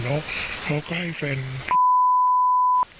แล้วเขาก็ให้แฟน